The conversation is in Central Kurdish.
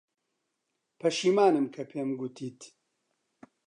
پەشیمانم کە پێم گوتیت.